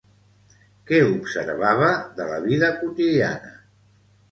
Què observava de la vida quotidiana?